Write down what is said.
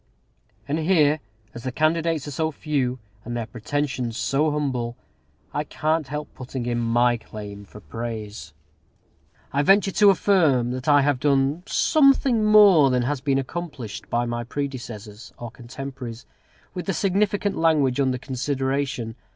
And here, as the candidates are so few, and their pretensions so humble, I can't help putting in my claim for praise. I venture to affirm that I have done something more than has been accomplished by my predecessors, or contemporaries, with the significant language under consideration.